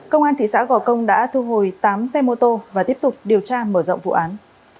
công an thị xã gò công đã thu hồi tám xe mô tô và tiếp tục điều tra mở rộng vụ án